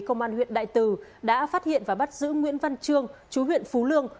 công an huyện đại từ đã phát hiện và bắt giữ nguyễn văn trương chú huyện phú lương